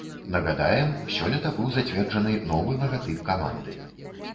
Нагадаем, сёлета быў зацверджаны новы лагатып каманды.